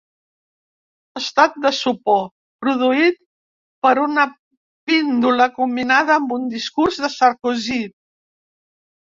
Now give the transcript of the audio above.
Estat de sopor produït per una píndola combinada amb un discurs de Sarkozy.